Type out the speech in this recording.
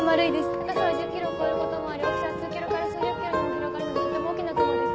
高さは１０ｋｍを超えることもあり大きさは数ｋｍから数十ｋｍにも広がるのでとても大きな雲です。